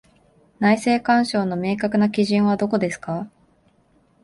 内政干渉の明確な基準はどこですか？